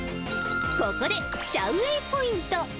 ここでシャウ・ウェイポイント。